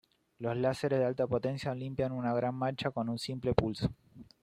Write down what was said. Los láseres de alta potencia limpian un gran mancha con un simple pulso.